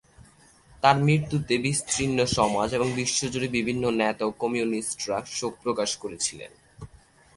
তার মৃত্যুতে বিস্তীর্ণ সমাজ এবং বিশ্বজুড়ে বিভিন্ন নেতা ও কমিউনিস্টরা শোক প্রকাশ করেছিলেন।